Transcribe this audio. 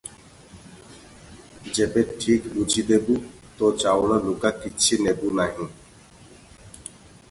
ଯେବେ ଠିକ ବୁଝି ଦେବୁ, ତୋ ଚାଉଳ ଲୁଗା କିଛି ନେବୁଁ ନାହିଁ।"